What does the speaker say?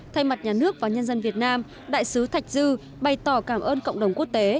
thay mặt nhà nước và nhân dân việt nam đại sứ thạch dư bày tỏ cảm ơn cộng đồng quốc tế